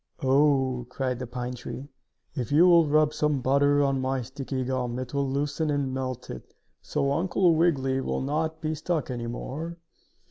"Oh!" cried the pine tree. "If you will rub some butter on my sticky gum, it will loosen and melt it, so Uncle Wiggily will not be stuck any more."